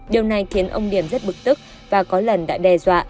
điều này khiến ông điểm rất bực tức và có lần đã đe dọa